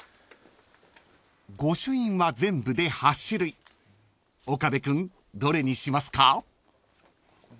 ［御朱印は全部で８種類岡部君どれにしますか？］